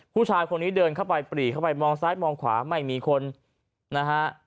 ผู้ชายคนนี้เดินเข้าไปปรีเข้าไปมองซ้ายมองขวาไม่มีคนนะฮะ